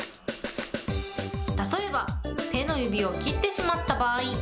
例えば、手の指を切ってしまった場合。